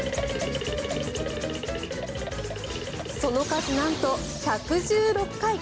その数、なんと１１６回。